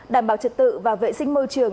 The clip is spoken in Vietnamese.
đảm bảo trật tự và vệ sinh môi trường